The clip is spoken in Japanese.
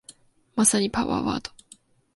まさにパワーワード